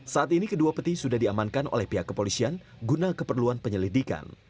saat ini kedua peti sudah diamankan oleh pihak kepolisian guna keperluan penyelidikan